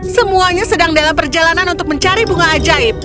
semuanya sedang dalam perjalanan untuk mencari bunga ajaib